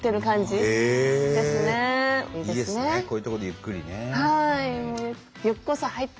こういうとこでゆっくりね。